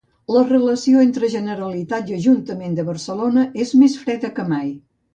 La relació entre Generalitat i Ajuntament de Barcelona és més freda que mai.